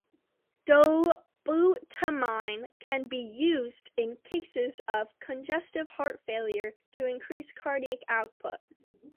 Dobutamine can be used in cases of congestive heart failure to increase cardiac output.